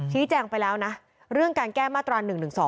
ชี้แจงไปแล้วนะเรื่องการแก้มาตรา๑๑๒